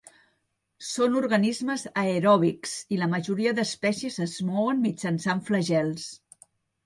Són organismes aeròbics i la majoria d'espècies es mouen mitjançant flagels.